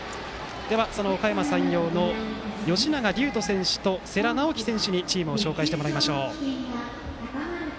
そのおかやま山陽の吉永隆人選手と世良直輝選手にチームを紹介してもらいましょう。